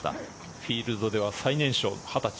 フィールドでは最年少２０歳。